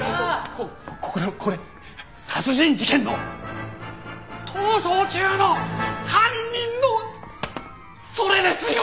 こっこれ殺人事件の逃走中の犯人のそれですよ！